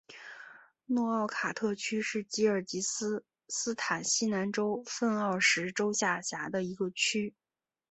诺奥卡特区是吉尔吉斯斯坦西南州份奥什州下辖的一个区。